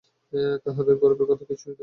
তাহাতে গৌরবের কথা কিছুই নাই।